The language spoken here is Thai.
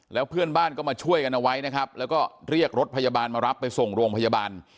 แล้วเพื่อนบ้านก็มาช่วยกันเอาไว้นะครับแล้วก็เรียกรถพยาบาลมารับไปส่งโรงพยาบาล